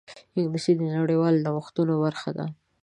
انګلیسي د نړیوالو نوښتونو برخه ده